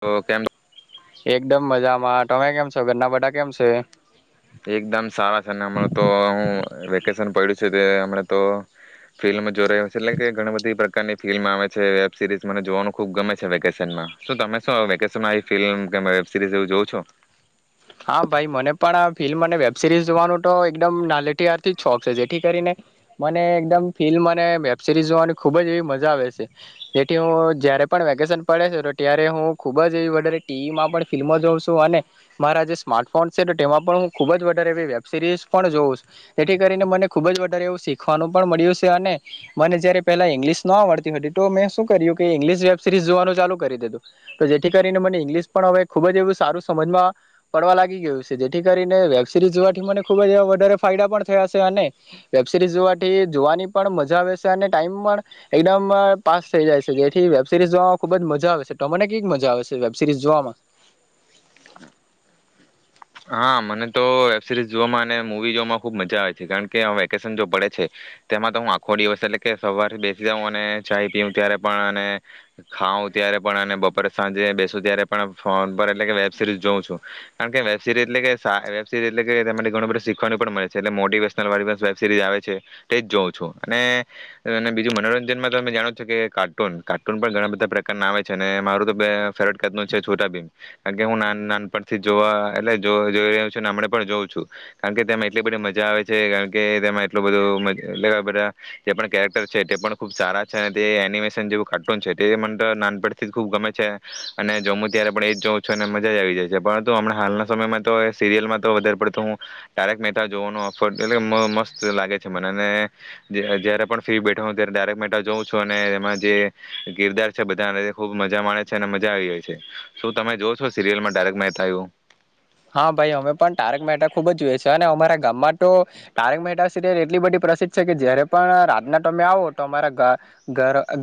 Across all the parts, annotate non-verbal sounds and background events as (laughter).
તો કેમ એકદમ મજામાં તમે કેમ છો ઘરના બધા કેમ છે? એકદમ સારા છે ને હમણાં તો હું વેકેશન પડ્યું છે તે હમને તો, ફિલ્મ જો રહ છે એટલે કે ઘણી બધી પ્રકારની ફિલ્મ આવે છે વેબ સિરીઝ મને જોવાનું ખુબ ગમે છે વેકેશનમાં, શ તમે શું વેકેશનમાં આવી ફિલ્મ વેબ સરી એવું જોવ છો? હા ભાઈ મને પણ આ ફિલ્મ અને વેબ સિરીઝ જોવાનું તો એકદમ નાલેથી ત્યારથી શોખ છે જેથી કરીને મને એકદમ ફિલ્મ અને વેબ સિરીઝ જોવાની ખુબ જ એવી મજા આવે છે. જેથી હું જયારે પણ વેકેશન પડે છે તો ત્યારે હું ખુબ જ એવી વધારે ટીવીમાં પણ ફિલ્મ જોઉં છું અને મારા જે સ્માર્ટફોન છે તો તેમાં પણ હું ખૂબ જ વધારે એવી વેબ સિરીઝ પણ જોઉં છુ. જેથી કરીને મને ખૂબ જ વધારે એવું શીખવાનું પણ મળ્યું છે અને મને જ્યારે પહેલાં ઇંગ્લિશ ન આવડતી હતી તો મેં શું કર્યું કે ઇંગ્લિશ વેબ સિરીઝ જોવાનું ચાલુ કરી દીધું તો જેથી કરીને મને ઇંગ્લિશ પણ હવે ખૂબ જ એવું સારું સમજમાં પડવા લાગી ગયું છે. જેથી કરીને વેબ સિરીઝ જોવાથી મને ખુબ જ વધારે ફાયદા પણ થયા છે. અને વેબ સિરીઝ જોવાથી જોવાની પણ મજા આવે છે અને ટાઈમ પણ એકદમ પાસ થઈ જાય છે. જેથી વેબ સિરીઝ જોવામાં ખુબ જ મજા આવે છે. તમને કેવીક મજા આવે છે વેબ સરીઝ જોવામાં? હા મને તો વેબ સિરીઝ જોવામાં અને મૂવી જોવામાં ખુબ મજા આવે છે. કારણ કે વેકેશન જો પડે છે તેમાં તો હું આખો દિવસ એટલે કે સવારથી બેસી જાઉં અને ચાય પીં ત્યારે પણ અને ખાઉં ત્યારે પણ અને બપોરે સાંજે બેસું ત્યારે પણ ફોન પર એટલે કે વેબ સિરીઝ જોઉં છું કારણ કે વેબ સિરી એટલે સા વેબ સરી એટલે કે ઘણું બધું શીખવાનું પણ મળે છે. અને મોટિવેશનલવાળી વેબ સિરીઝ આવે છે તે જ જોઉં છું. અને બીજું મનોરંજનમાં તો જાણો કે કાર્ટૂન કાર્ટૂન પણ ઘણા બધા પ્રકારના આવે છે અને મારું તો ફે ફેવરેટ કાર્ટૂન છે છોટા ભીમ. કારણ કે હું ના નાનપણથી જોવા એટલે જો જોઈ રહ્યું છે અને હમણે પણ જોઉં છું. કારણ કે તેમાં એટલી બધી મજા આવે છે. કારણ કે તેમાં એટલું બધું એટલે બધા જે પણ કેરેક્ટર છે તે પણ ખુબ સારા છે. અને તે એનિમેશન જેવું કાર્ટૂન છે. તે મને તો નાનપણથી જ ખૂબ ગમે છે. અને જમું ત્યારે પણ એ જ જાઉં છું. અને મજા જ આવી જાય છે પરંતુ હમણા હાલના સમયમાં તો સિરિયલમાં તો વધારે પડતો હું તારક મહેતા જોવાનો અફર્ એટલે મસ્ત લાગે છે મને. અને જયારે પણ ફ્રી બેઠો હોવ ત્યારે તારક મહેતા જોઉં છું. અને એમાં જે ગિરદાર છે બધાને ખુબ મજા માણે છે. અને મજા આવી જાય છે શું તમે જો છો સિરિયલમાં તારક મહેતા એવુ? હા ભાઈ અમે પણ તારક મહેતા ખુબ જ જોઈએ છે. અને અમારા ગામમાં તો તારક મહેતા સિરિયલ એટલી બધી પ્રસિદ્ધ છે કે જયારે પણ રાતના તમે આવો તો અમારા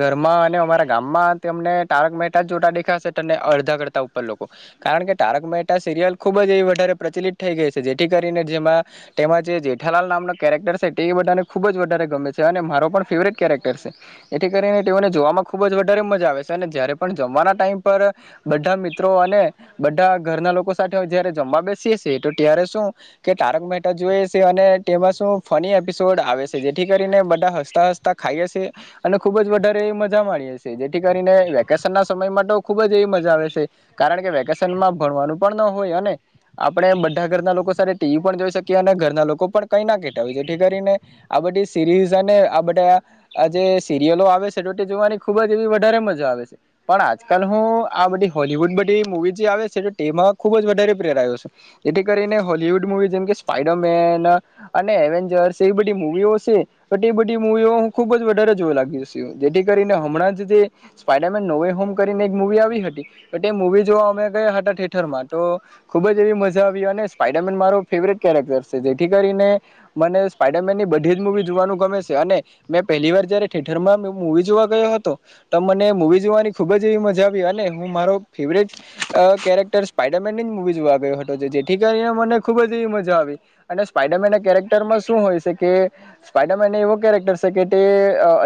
ઘરમાં અને અમારા ગામમાં તેમને તારક મહેતા જ જોતા દેખાશે ત અડધા કરતા ઉપર લોકો કારણ કે તારક મહેતા સિરિયલ ખૂબ જ એ વધારે પ્રચલિત થઈ ગઈ છે. જેથી કરીને જેમાં તેમાં જે જેઠાલાલ નામનો કેરેક્ટર છે તે બધાને ખૂબ જ વધારે ગમે છે. અને મારો પણ ફેવરેટ કેરેક્ટર છે. એથી કરીને તેઓને જોવામાં ખૂબ જ વધારે મજા આવે છે. અને જારે પણ જમવાના ટાઈમ પર બધા મિત્રો અને બધા ઘરના લોકો જયારે જમવા બેસીએ છે તો ત્યારે શું કે તારક મહેતા જોઈએ છે. અને તેમાં શું ફની એપિસોડ આવે છે જેથી કરીને બધા હસતા હસતા ખાઈએ સે અને ખુબ જ વધારે મજા માણીએ સે જેથી કરીને વેકેશન ના સમય માટે ખુબ જ એવી મજા આવે છે કારણ કે વેકેશનમાં ભણવાનું પણ ન હોય અને આપણે બધા ઘરના લોકો સાથે ટીવી પણ જોઈ શકીએ અને ઘરના લોકો પણ કઈ ના કેતા હોય. જેથી કરીને આ બધી સીરીઝ અને આ બધા આ જે સિરિલો આવે છે જોવાની ખુબ જ એવી વધારે મજા આવે છે પણ આજકાલ હું આ બધી હોલવુડ બધી મુવી જે આવે છે તેમાં ખૂબ જ વધારે પ્રેરાયો છે જેથી કરીને હોલીવૂડ મૂવી જેમ કે સ્પાઈડરમેન અને એવેન્જર્સ એવી બધી મૂ વીઓ છે તો તે બધી મૂવીઓ હું ખૂબ જ વધારે જોવા લાગી છું જેથી કરીને હમણાં જ જે સ્પાઈડરમેન નોવે હોમ કરીને એક મૂવી આવી હતી તો તે મૂવી જોવા અમે ગયા હતા ઠેટરમાં તો ખૂબ જ એવી મજા આવી અને સ્પાઈડરમેન મારો ફેવરેટ કેરેક્ટર છે. જેથી કરીને મને સ્પાઈડરમેન ની બધી જ મૂવી જોવાનું ગમે છે અને મેં પહેલી વાર જયારે ઠેટરમાં મૂવી જોવા ગયો હતો તો મને મૂવી જોવાની ખૂબ જ એવી મજા આવી અને હું મારો ફેવરેટ કેરેક્ટર સ્પાાઈડરમેનની જ મૂવી જોવા ગયો હતો જે જેથી કરીને મને ખૂબ જ એવી મજા આવી અને સ્પાઈડરમેનના કેરેક્ટરમાં શું હોય છે કે સ્પાઈડરમેનને એવો કેરેક્ટર છે કે તે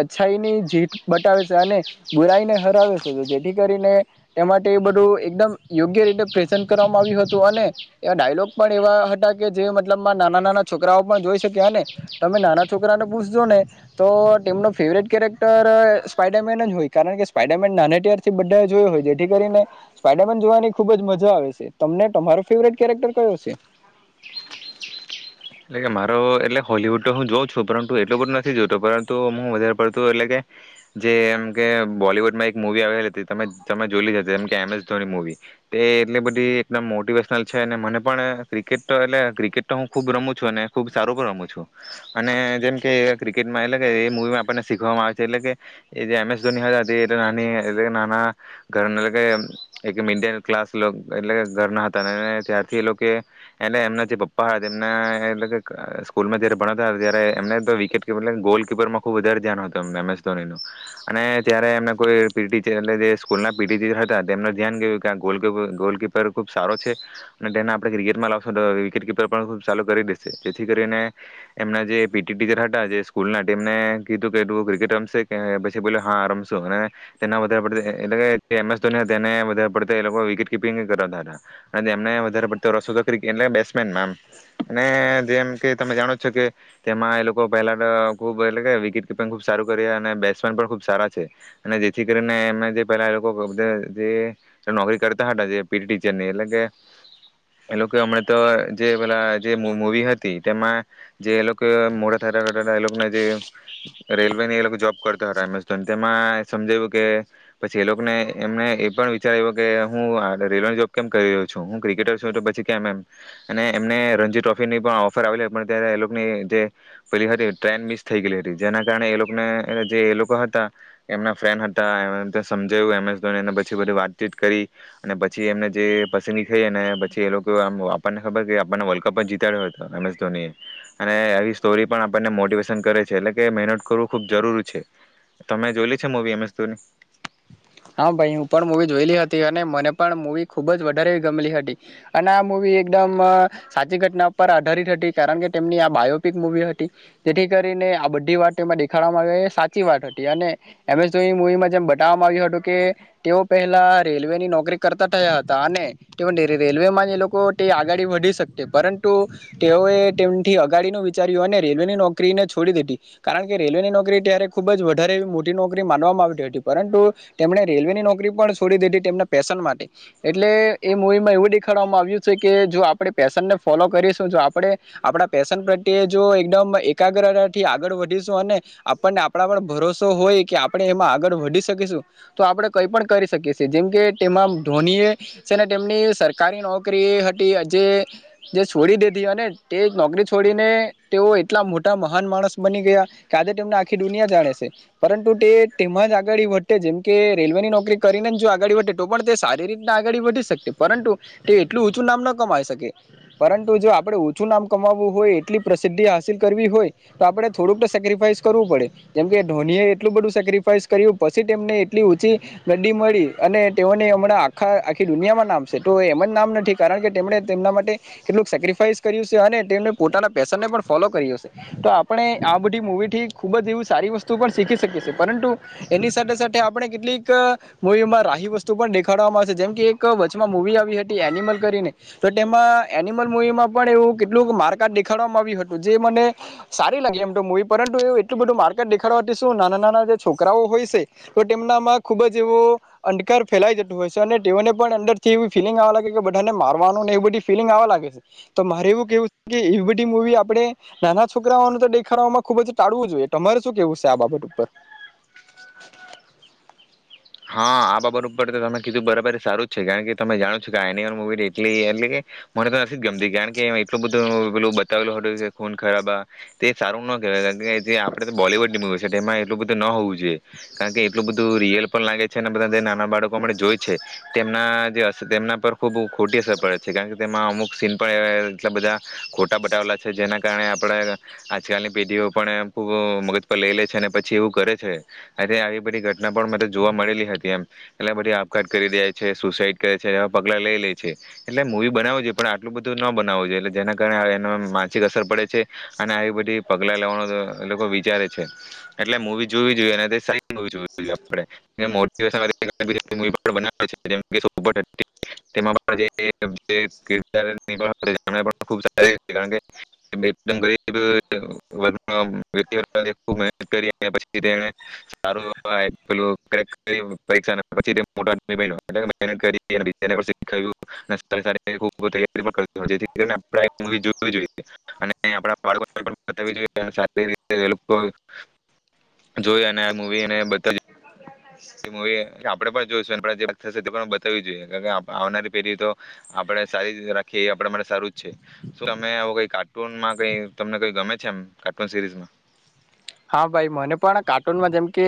અચ્છાઈની જીત બતાવે છે અને બુરાઈને હરાવે છે તો જેથી કરીને તે માટે એ બધું એકદમ યોગ્ય રીતે પ્રેસન કરવામાં આવ્યું હતું અને એવા ડાયલોગ પણ એવા હતા કે જે મતલબમાં નાના-નાના છોકરાઓ પણ જોઈ શક્યા અને તમે નાના છોકરાને પૂછજો ને તો તેમનો ફેવરેટ કેરેક્ટર સ્પાઈડરમેન જ હોય કારણ કે સ્પાઈડરમેન નાને ત્યારથી બધાએ જોયો હોય જેથી કરીને સ્પાઈડરમેન જોવાની ખૂબ જ મજા આવે છે. તમને તમારો ફેવરેટ કેરેક્ટર કયો છે? એટલે કે મારો એટલે હોલીવુડ તો હું જોઉં છું. પરંતુ એટલું બધું નથી જોતો પરંતુ હું વધારે પડતું એટલે કે જેમ કે બોલીવુડમાં એક મુવી આવેલી હતી તમે તમે જોઈલી જ હશે. જેમ કે એમ એસ ધોની મૂવીતે એટલી બધી એકદમ મોટિવેશનલ છે અને મને પણ ક્રિકેટ તો એટલે ક્રિકેટ તો હું ખુબ રમું છો ને. ખુબ સારું પણ રમું છું. અને જેમ કે ક્રિકેટમાં એટલે કે એ મૂવીમાં આપણને શીખવામાં આવે છે એટલે કે જે એમ એસ ધોની હતા તે નાની નાના ઘરના એટલે કે એક મિડિલ ક્લાસ એટલે ઘરના હતા. ત્યારથી એ લોકો એલે એમના જે પપ્પા હતા એમના એટલે સ્કૂલમાં જયારે ભણતાહતા ત્યારે એમને તો વિકેટકીપર એટલે ગોલકીપરમાં ખુબ વધારે ધ્યાન હતું. એમ એસ ધોનીનુ અને ત્યારે એમને કોઈ પીટી ટીચ એટલે કે સ્કૂલના પીટીચર હતા તેમનું ધ્યાન ગયું કે આ ગોલકીપ ગોલકીપર ખુબ સારો છે અને તેને આપણે ક્રિકેટ માં લાવશો તો વિકેટ કપર પણ ખૂબ સારું કરી દ જેથી કરી એમના જે પીટી ટીચર હતા જે સ્કૂલના તેમને કીધું કે તું ક્રિકેટ રમશે કે પછી પેલો હા રમસુ. અને એને વધારે પડતું એટલે કે એમ સ ધોની તેને બધારે પડતું એ લોકો વિકેટ કીપિંગ ની કતાવતા હતા. અને એમને વધારે પડતો રસ હતો ક્રિકેટ એટલે બેટ્સમેનમાં એમ. ને જેમ કે તમે જાણો છો કે તેમાં એ લોકો પહેલા તો ખુબ એટલે કે વિકેટ કપિંગ ખુબ સારું કરી અને બેટ્સમેન પણ ખુબ સારા છે અને જેથી કરીને એમે જે પેલા લોકો નોકરી કરતા હતા જે પીટી ટીચરની એટલે કે એ લોકો હમણાં તો જે પેલા જે મુવી હતી તેમાં જે એ લોકો મોટા થતા થતા એ લોકને જે રેલવેની એ જોબ કરતા હતા એમ એસ ધોની. તેમાં સમજાવ્યું કે પછી એ લોકોને એમને એ પણ વિચાર્યો કે હું રેલવે જોબ કેમ કરી રહ્યો છું. હું ક્રિકેટર છું તો પછી કેમ એમ અને એમને ટ્રોફી ની પણ ઓફર આવેલી પણ ત્યારે એ લોકોની જે પેલી હતી ટ્રેન મિસ થઈ ગઈ હતી. જેના કારણે એ લોકોને જે એ લોકો હતા એમના ફ્રેન્ડ હતા એ સમજાવ્યું એમ એસ ધોનીને. પછી વાતચીત કરી અને પછી એમને જે પસંદગી થઈઅને પછી એ લોકો આપણને ખબર આપને વલ્ કપ જીતાડ્યો હતો એમસ ધોની એ અને આવી સ્ટોરી પણ આપણને મોટિવેશન કરે છે એટલે કે મહેનત કરવું ખુબ જરૂરી છે. તમે જોઈલી છે મૂવી એમસ ધોની હા ભાઈ હું પણ મૂવી જોયેલી હતી. અને મને પણ મૂવી ખુબ જ વધારે ગમેલી હતી. અને આ મૂવી એકદમ સાચી ઘટના પર આધારિત હતી કારણ કે તેમની આ બાયોપિક મૂવી હતી જેથી કરીને આ બધી વાત એમાં દેખાડવામાં આવી સાચી વાત હતી અને એમસ ધોની મૂવીમાં જેમ બતાવવામાં આવ્યું હતું કે તેઓ પહેલા રેલવે ની નોકરી કરતા થયા હતા. અને રેલવેમાં જે લોકો તે આગાડી વધી શકતે. પરંતુ તેઓએ તેમથી અગાડીનુ વિચાર્યું અને રેલવેની નોકરીને છોડી દીધી. કારણ કે રેલવેની નોકરી ત્યારે ખુબ જ વધારે મોટી નોકરી માનવામાં આવતી હતી પરંતુ તેમણે રેલવેની નોકરી પણ છોડી દીધી તેમના પેશન માટે એટલે એ મૂવીમાં એવું દેખાડવામાં આવ્યું છે કે જો આપણે પેશનને ફોલો કરીશું જો આપણે આપણા પેશન પ્રત્યે જો એકદમ એકાગ્રતાથી આગળ વધીશું અને આપણને આપણા પણ ભરોસો હોય કે આપણે એમાં આગળ વધી શકીશું તો આપણે કઈ પણ કરી શકીએ છીએ. જેમ કે તેમાં ધોનીએ છે ને તેમની સરકારી નોકરી હતી. જે જે છોડી દેધી ને તે નોકરી છોડીને તેઓ એટલા મોટા મહાન માણસ બની ગયા કે આજે તેમને આખી દુનિયા જાણે છે પરંતુ તે તેમાં જ આગળ વધ જેમ કે રેલવેની નોકરી કરીને જો આગળડી વધે તો પણ તે સારી રીતના આગળી વધી શકશે પરંતુ તે એટલું છું નામ ન કમાઈ શકે પરંતુ જો આપણે ઓછું નામ કમાવવું હોય એટલી પ્રસિદ્ધિ હાસિલ કરવી હોય તો આપણે થોડુંક સેક્રીફાઈસ કરવું પડે જેમ કે ધોનીએ એટલું બધું સેક્ર્રીફાઈસ કર્યું પછી તેમને એટલી ઊંચી ગડી મળી અને તેઓને હમણાં આખા આખી દુનિયામાં નામશે તો એમ જ નામ નથી કારણ કે તેમણે તેમના માટે કેટલું સેક્રિફાઈસ કર્યું સે. અને તેમણે પોતાના પેશનને પણ ફોલો કર્યો સે તો આપણે આ બધી મૂવીથી ખૂબ જ એવી સારી વસ્તુ પણ શીખી શકીએ સે પરંતુ એની સાથે સાથે ને આપણે કેટલીક મૂવીમાં રાહી વસ્તુ પણ દેખાડવામાં આવ છે. જેમ કે એક વચમાં મૂવી આવી હતી એનિમલ કરીને. તો તેમાં એનિમલ મૂવીમાં પણ એવું કેટલુંક મારકાટ દેખાડવામાં આવ્યું હતું જે મને સારી લાગી એમ તો મૂવી. પરંતુ એવું એટલું બધું મારકાટ દેખાડવાથી શું નાના-નાના જે છોકરાઓ હોય સે તો તેમનામાં ખુબ જ એવો અંધકાર ફેલાઈ જતો હોય સે. અને તેઓને પણ અંદર થી એ ફીલિંગ આવવા લાગે છે કે બધાને મારવાનુંને એ બધી ફીલિંગ આવવા લાગે. તો મારે એવું કેવું છે કે એવી બધી મૂવી આપણે નાના છોકરાઓને તો દેખામાં ખુબ જ ટાળવું જોઈએ તમારે શું કેવું છે આ બાબત ઉપર? હા આ બાબત ઉપર તો તમે કીધું બરાબર સારું જ છે. કારણ કે તમે જાણો છો કે આ એનિમલ મૂવી એટલી એટલે કે મને તો નથી જ ગમતી કારણ કે એટલું બધું પેલું બતાવેલું હતું કે ખૂન ખરાબા. તે સારું ના કેવાય જે તે આપણે તો બોલીવુડની મૂવી છે. તેમાં એટલુ લોકોતે ન હોઉ. છે. કારણ કે એટલું બધું રીયલ પણ લાગે છે ને બધા દેનાર માં બાળકો માટે જોઈ છે. તેમના જે હશે તેમના પર. ખૂબ ખોટી અસર પડે છે. કારણ કે તેમાં અમુક સીન પણ એટલા બધા ખોટા બતાવેલા છે. જેના કારણે આપણે આજકાલની પેઢીઓ પણ ખૂબ મગજ પર લઈ લે છે અને પછી એવું કરે છે આ આવી બધી ઘટના પણ મ જોવા મળેલી હતી એમ એટલે બધી આપઘાત કરી દે છે. સુસાઈડ કરે છે. એવા પગલા લઈ લે છે એટલે મૂવી બનાવું જોઈએ પણ આટલું બધું ન બનાવું જોઈ એટલે જેના કારણે એનો માનસિક અસર પડે છે અને આવી બધી પગલા લેવાનો એ લોકો વિચારે છે એટલે મવી જોવી જોઈએ અને સારી જોવી જોઈએ. બ રી બધ (unintelligible) એ મુવી આપડણે પણ જોઈશું જે થશે તે પણ બતાવવી જોઈએ કારણ આવનારી પેઢી તો, આપડણે સારી રાખીએ એ આપ માટે સારું જ છે, શું તમે એ કઈ કાર્ટૂનમાં કઈ તમને કઈ ગમે છે એમ કાર્ટૂન સિરીઝમાં? હા ભાઈ મને પણ કાર્ટૂનમાં જેમકે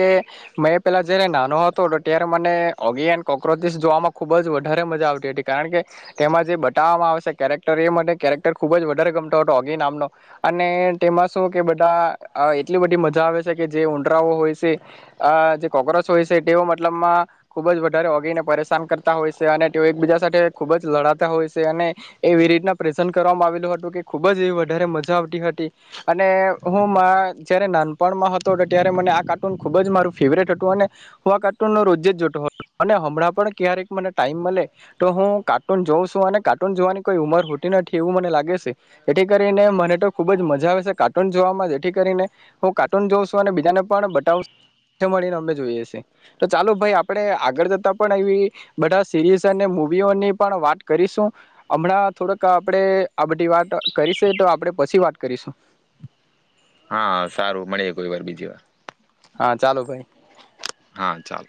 મેં પેલા જયારે નાનો હતો હતો ત્યારે મને ઓગી એન્ડ કોક્રોચિસ જોવામાં ખુબ જ વધારે મજા આવતી હતી કારણ કે, તેમાં જે બતાવામાં આવશે કેરેક્ટર એ મને કેરેક્ટર ખુબ જ વધારે ગમતો હતો ઓગી નામનો, અને તેમાં શું કે બધા એટલી બધી મજા આવે છે કે જે ઊંડરાઓ હોય છે, જે કોક્રોચ હોય છે તેઓ મતલબમાં ખૂબ જ વધારે ઓગીને પરેશાન કરતા હોય છે અને તેઓ એકબીજા સાથે ખૂબ જ લડાતા હોય છે અને, એવી રીતના પ્રેઝ કરવામાં આવેલું હતું કે ખૂબ જ એવી વધારે મજા આવતી હતી અને હું જ્યારે નાનપણમાં હતો હતો ત્યારે મને આ કાર્ટૂન ખૂબ જ મારું ફેવરેટ હતું અને, હું આ કાર્ટૂનનો રોજે જ જોટતો હતો અને હમણાં પણ ક્યારેક મને ટાઈમ મળે, તો હું કાર્ટૂન જોઉં છું અને કાર્ટૂન જોવાની કોઈ ઉંમર હોતી નથી એવું મને લાગે છે, એથી કરીને મને તો ખૂબ જ મજા આવે છે કાર્ટૂન જોવામાં જ જેથી કરીને હું કાર્ટૂન જોઉ છું અને બીજાને પણ બતાવશ મળીને અમે જોઈએ છે, તો ચાલો ભાઈ આપણે આગળ જતા પણ એ બધા સીરીઝ અને મવીઓની પણ વાત કરીશું હમણાં થોડક આપણે આ બધી વાત કરી છે તો આપણે પછી વાત કરીશું. હા સારું મળી કોઈ વાર બીજી વાર. હા ચાલો ભાઈ. હા ચાલ.